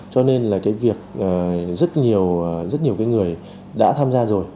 cho nên là cái việc rất nhiều cái người đã tham gia rồi